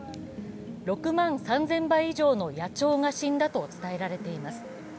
６万３０００羽以上の野鳥が死んだと伝えられています。